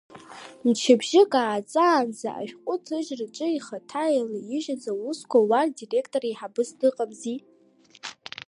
Мчыбжьык ааҵаанӡа, ашәҟәҭыжьырҭаҿы ихаҭа еилаижьыз аусқәа уа редактор еиҳабыс дыҟамзи!